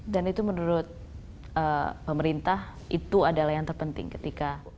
dan itu menurut pemerintah itu adalah yang terpenting ketika